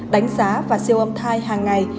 đánh giá và siêu âm thai hàng ngày